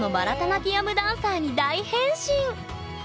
ナティヤムダンサーに大変身！